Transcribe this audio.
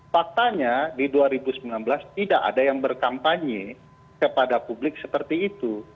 faktanya di dua ribu sembilan belas tidak ada yang berkampanye kepada publik seperti itu